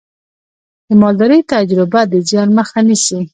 د مالدارۍ تجربه د زیان مخه نیسي.